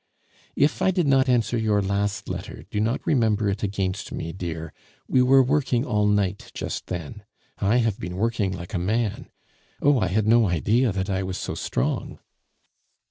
If I did not answer your last letter, do not remember it against me, dear; we were working all night just then. I have been working like a man. Oh, I had no idea that I was so strong!